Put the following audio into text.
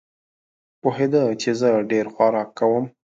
پوهېده چې زه ډېر خوراک کوم.